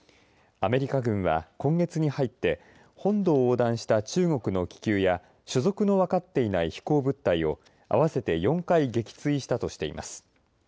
アメリカ軍は今月に入って本土を横断した中国の気球や所属の分かっていない飛行物体を合わせて４回撃墜したとしています。